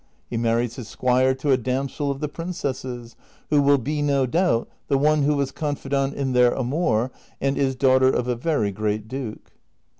He marries his squire to a damsel of the princess's, who will be, no doubt, the one who was confidante in their amour, and is daughter of a very great duke."